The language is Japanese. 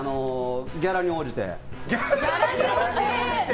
ギャラに応じて。